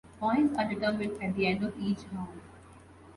Points are determined at the end of each round.